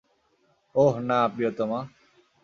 ওহ না, প্রিয়তমা!